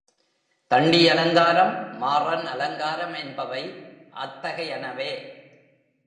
தண்டியலங்காரம், மாறன் அலங்காரம் என்பவை அத்தகையனவே.